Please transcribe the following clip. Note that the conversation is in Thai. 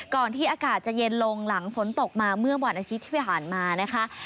ที่อากาศจะเย็นลงหลังฝนตกมาเมื่อวันอาทิตย์ที่ผ่านมานะคะ